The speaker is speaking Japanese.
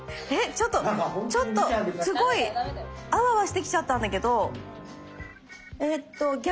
ちょっとちょっとすごいアワアワしてきちゃったんだけど。